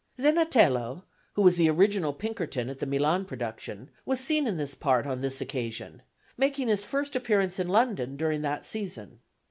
Zenatello, who was the original Pinkerton at the Milan production, was seen in this part on this occasion, making his first appearance in London during that season.